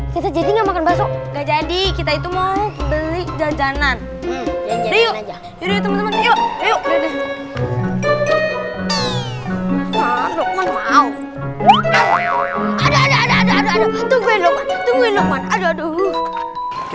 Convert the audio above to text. kita mau beli jajanan yuk yuk yuk yuk